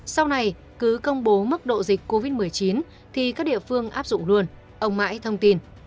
sau này cứ công bố mức độ dịch covid một mươi chín thì các địa phương áp dụng luôn ông mãi thông tin